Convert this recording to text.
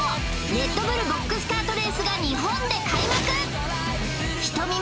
レッドブル・ボックスカート・レースが日本で開幕ひとみ